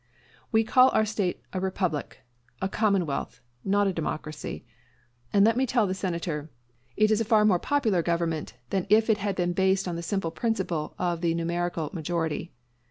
We call our State a Republic a Commonwealth, not a Democracy; and let me tell the Senator, it is a far more popular government than if it had been based on the simple principle of the numerical majority.